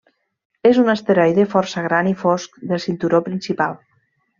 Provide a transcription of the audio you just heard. És un asteroide força gran i fosc del cinturó principal.